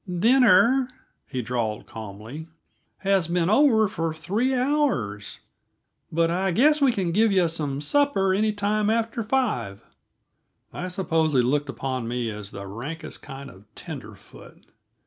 "Dinner," he drawled calmly, "has been over for three hours; but I guess we can give yuh some supper any time after five." I suppose he looked upon me as the rankest kind of a tenderfoot.